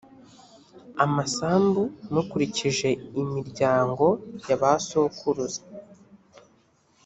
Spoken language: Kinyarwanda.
amasambu mukurikije imiryango ya ba sokuruza